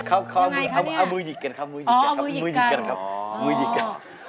เขาเอามือหยิกกันครับมือหยิกกันครับมือหยิกกันครับมือหยิกกัน